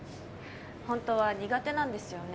本当は苦手なんですよね？